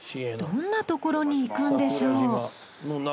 どんなところに行くんでしょう？